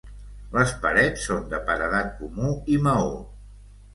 Les parets són de paredat comú i maó.